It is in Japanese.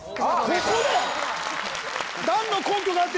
ここで！